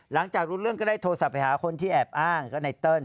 หลังจากรู้เรื่องก็ได้โทรศัพท์ไปหาคนที่แอบอ้างก็ไนเติ้ล